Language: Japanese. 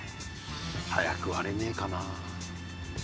早く割れねえかな？